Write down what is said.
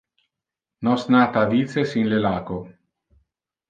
Nos nata a vices in le laco.